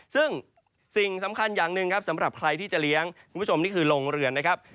ซึ่งสิ่งสำคัญอย่างหนึ่งครับสำหรับใครที่จะเลี้ยงคุณผู้ชมนี่คือโรงเรือนนะครับ